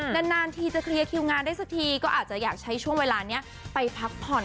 นานทีจะเคลียร์คิวงานได้สักทีก็อาจจะอยากใช้ช่วงเวลานี้ไปพักผ่อน